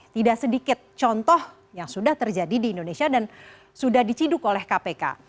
tidak sedikit contoh yang sudah terjadi di indonesia dan sudah diciduk oleh kpk